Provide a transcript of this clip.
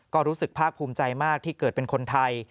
ก็รู้สึกภาคภูมิใจมากที่เกิดเป็นคนไทย